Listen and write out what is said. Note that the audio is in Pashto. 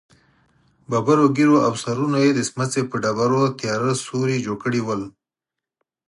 ببرو ږېرو او سرونو يې د سمڅې پر ډبرو تېره سيوري جوړ کړي ول.